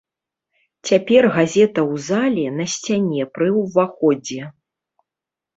Цяпер газета ў зале на сцяне пры ўваходзе.